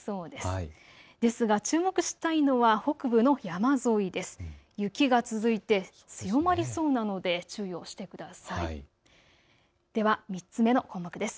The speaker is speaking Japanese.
ですが注目したいのは北部の山沿いです。